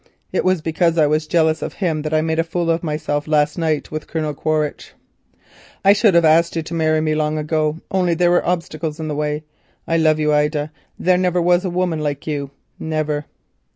It was because I was jealous of him that I made a fool of myself last night with Colonel Quaritch. I should have asked you to marry me long ago only there were obstacles in the way. I love you, Ida; there never was a woman like you—never."